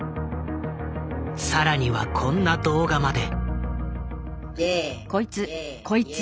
更にはこんな動画まで。